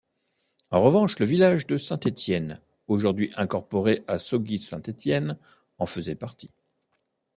En revanche le village de Saint-Étienne, aujourd'hui incorporé à Sauguis-Saint-Étienne, en faisait partie.